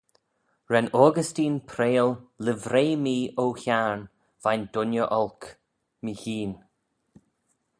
"Ren Augustine prayal ""Livrey mee, O Hiarn, veih'n dooinney olk – meehene."